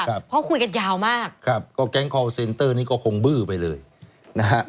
เพราะคุยกันยาวมากครับก็แก๊งคอลเซนเตอร์นี้ก็คงบื้อไปเลยนะฮะ